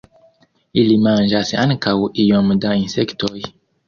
Ili manĝas ankaŭ iom da insektoj.